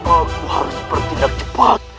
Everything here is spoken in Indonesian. aku harus bertindak cepat